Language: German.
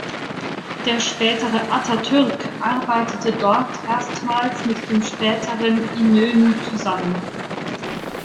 Der spätere Atatürk arbeitete dort erstmals mit dem späteren Inönü zusammen.